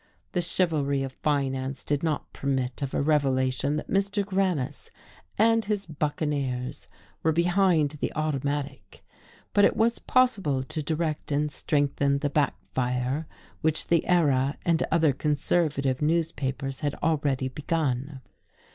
The chivalry of finance did not permit of a revelation that Mr. Grannis and his buccaneers were behind the Automatic, but it was possible to direct and strengthen the backfire which the Era and other conservative newspapers had already begun.